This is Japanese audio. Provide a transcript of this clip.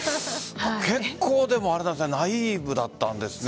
結構ナイーブだったんですね